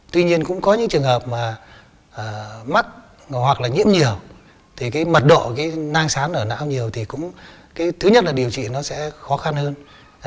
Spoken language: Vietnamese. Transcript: tuy nhiên cũng có những trường hợp mà mắc hoặc là nhiễm nhiều thì cái mật độ cái nang sán ở não nhiều thì cũng cái thứ nhất là điều trị nó sẽ khó khăn hơn